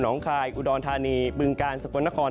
หนองคลายอุดรธานีบึงกาลสกวนนคร